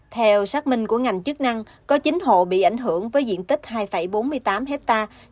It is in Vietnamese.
theo xác minh của ngành chức năng có chín hộ bị ảnh hưởng với diện tích hai bốn mươi tám hectare